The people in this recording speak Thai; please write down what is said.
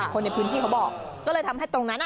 คนในพื้นที่เขาบอกก็เลยทำให้ตรงนั้น